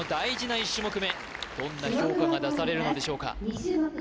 １種目めどんな評価が出されるのでしょうか